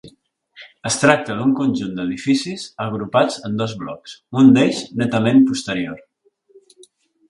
Es tracta d'un conjunt d'edificis agrupats en dos blocs, un d'ells netament posterior.